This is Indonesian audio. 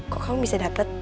kok kamu bisa dapet